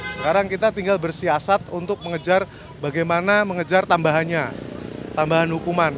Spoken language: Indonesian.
sekarang kita tinggal bersiasat untuk mengejar bagaimana mengejar tambahannya tambahan hukuman